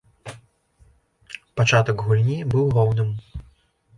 Пачатак гульні быў роўным.